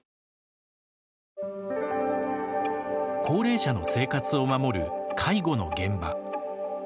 高齢者の生活を守る介護の現場。